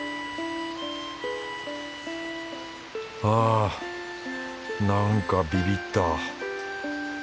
あなんかビビった。